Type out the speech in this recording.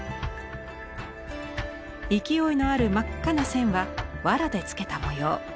勢いのある真っ赤な線は藁でつけた模様。